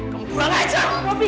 kamu burang aja